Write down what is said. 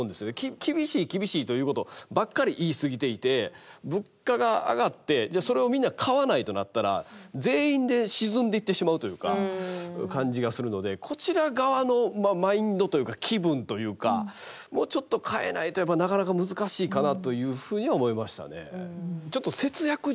厳しい厳しいということばっかり言い過ぎていて物価が上がってじゃあそれをみんな買わないとなったら全員で沈んでいってしまうというか感じがするのでこちら側のマインドというか気分というかもちょっと変えないとやっぱりなかなか難しいかなというふうには思いましたね。